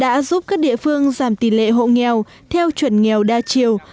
đoàn kinh tế quốc phòng chín mươi hai đã giúp các địa phương giảm tỷ lệ hộ nghèo theo chuẩn nghèo đa chiều